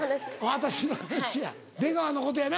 私の話や出川のことやな。